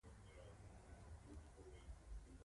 د نورو ورځو په څېر وېرېدله.